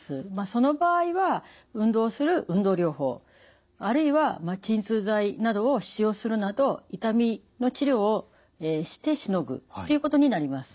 その場合は運動する運動療法あるいは鎮痛剤などを使用するなど痛みの治療をしてしのぐっていうことになります。